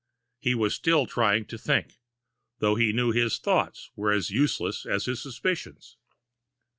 He was still trying to think, though he knew his thoughts were as useless as his suspicions.